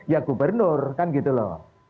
ya gubernur kan gitu loh